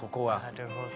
なるほど。